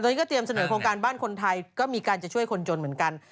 ตอนนี้ก็เตรียมเสนอโครงการบ้านคนไทยก็มีการจะช่วยคนจนเหมือนกัน